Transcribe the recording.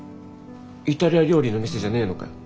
イタリア料理の店じゃねえのかよ？